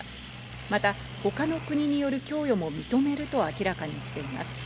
また、他の国による供与も認めると明らかにしています。